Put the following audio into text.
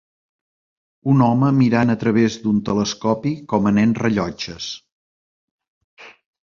Un home mirant a través d'un telescopi com a nen rellotges